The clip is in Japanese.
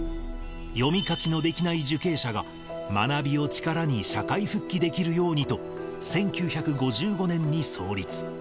読み書きのできない受刑者が、学びを力に社会復帰できるようにと、１９５５年に創立。